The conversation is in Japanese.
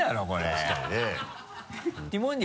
確かにね。